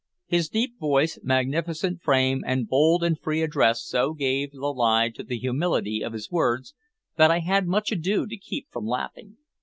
His deep voice, magnificent frame, and bold and free address so gave the lie to the humility of his words that I had much ado to keep from laughing.